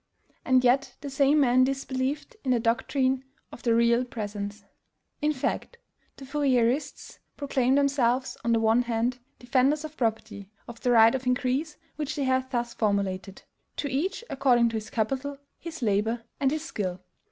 And yet the same man disbelieved in the doctrine of the Real Presence. In fact, the Fourierists proclaim themselves, on the one hand, defenders of property, of the right of increase, which they have thus formulated: TO EACH ACCORDING TO HIS CAPITAL, HIS LABOR, AND HIS SKILL.